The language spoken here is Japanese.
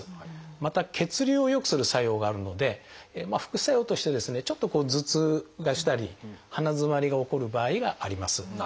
また血流を良くする作用があるので副作用としてですねちょっと頭痛がしたり鼻づまりが起こる場合があります。